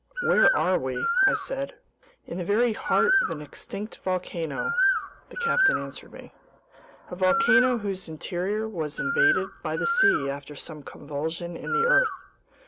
"Where are we?" I said. "In the very heart of an extinct volcano," the captain answered me, "a volcano whose interior was invaded by the sea after some convulsion in the earth.